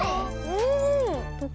うん。